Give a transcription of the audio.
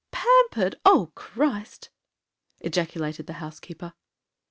'Pampered, oh Ch—st!' ejaculated the housekeeper.